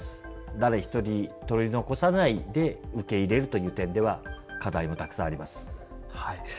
誰一人取り残さないで受け入れるという点では課題もたくさんあります。